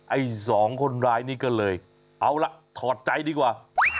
ไอ้สองคนร้ายนี้ก็เลยเอาล่ะถอดใจดีกว่า